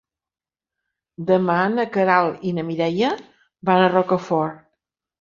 Demà na Queralt i na Mireia van a Rocafort.